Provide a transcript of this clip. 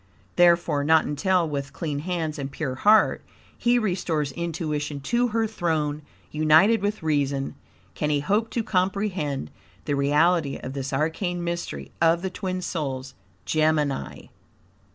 Therefore, not until, with clean hands and pure heart, he restores intuition to her throne, united with reason, can he hope to COMPREHEND the reality of this arcane mystery of the twin souls, Gemini.